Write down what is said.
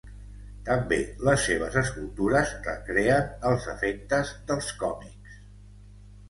També les seves escultures recreen els efectes dels còmics.